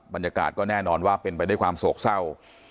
บรรยากาศก็แน่นอนว่าเป็นไปด้วยความโศกเศร้า